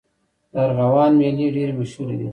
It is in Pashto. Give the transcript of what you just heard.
د ارغوان میلې ډېرې مشهورې دي.